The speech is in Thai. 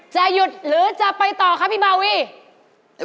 จะหยุดหรือจะไปต่อครับพี่บาวี